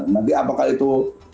nanti apakah itu